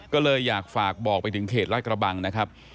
ก็เลยอยากฝากบอกไปถึงเขตลาดกระบังนะครับ